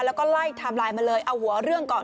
แล้วก็ไล่ไทม์ไลน์มาเลยเอาหัวเรื่องก่อน